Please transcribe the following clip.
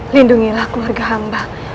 lindungilah keluarga hamba